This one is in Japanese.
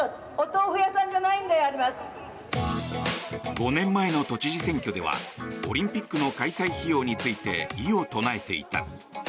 ５年前の都知事選挙ではオリンピックの開催費用について異を唱えていた。